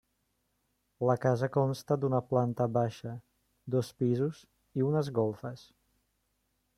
La casa consta d'una planta baixa, dos pisos i unes golfes.